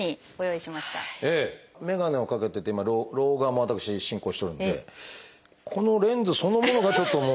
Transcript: メガネをかけてて今老眼も私進行してるのでこのレンズそのものがちょっともう。